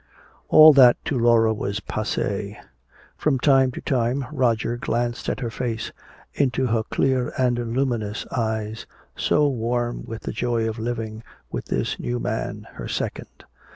All that to Laura was passé. From time to time Roger glanced at her face, into her clear and luminous eyes so warm with the joy of living with this new man, her second.